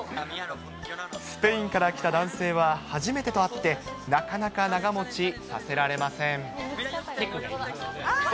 スペインから来た男性は、初めてとあって、なかなか長もちさせられません。